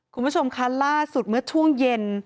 คุณผู้ชมคะล่าสุดเมื่อช่วงเย็น